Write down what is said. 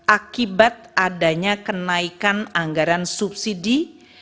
akibat adanya kenaikan anggaran subsidi